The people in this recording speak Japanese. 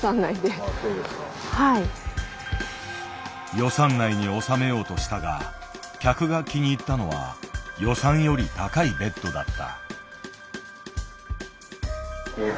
予算内に収めようとしたが客が気に入ったのは予算より高いベッドだった。